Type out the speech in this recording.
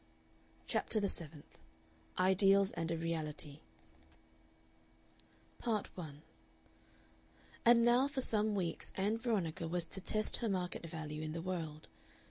CHAPTER THE SEVENTH IDEALS AND A REALITY Part 1 And now for some weeks Ann Veronica was to test her market value in the world.